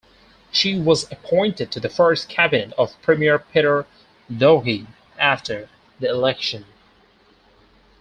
She was appointed to the first cabinet of Premier Peter Lougheed after the election.